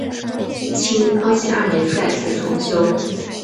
清康熙二年再次重修。